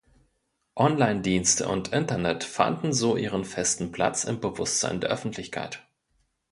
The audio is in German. Online-Dienste und Internet fanden so ihren festen Platz im Bewusstsein der Öffentlichkeit.